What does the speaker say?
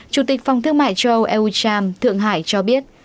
chủ tịch phòng thương mại châu âu eucham thượng hải cho biết